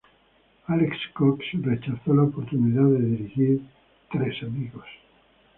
Alex Cox rechazó la oportunidad de dirigir "¡Tres Amigos!